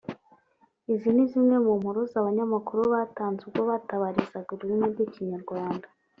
… izi ni zimwe mu mpuruza abanyamakuru batanze ubwo batabarizaga ururimi rw’ Ikinyarwanda